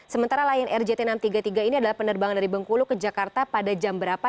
sementara lion air jt enam ratus tiga puluh tiga ini adalah penerbangan dari bengkulu ke jakarta pada jam berapa